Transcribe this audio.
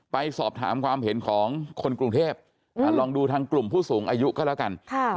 ไปสอบถามความเห็นของคนกรุงเทพลองดูทางกลุ่มผู้สูงอายุก็แล้วกัน